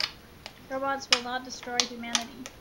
Robots will not destroy humanity.